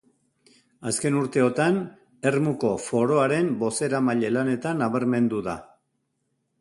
Azken urteotan Ermuko Foroaren bozeramaile-lanetan nabarmendu da.